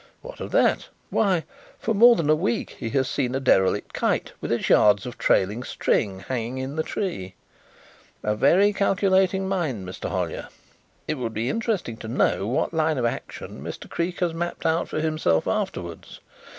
What of that? Why, for more than a week he has seen a derelict kite with its yards of trailing string hanging in the tree. A very calculating mind, Mr. Hollyer. It would be interesting to know what line of action Mr. Creake has mapped out for himself afterwards.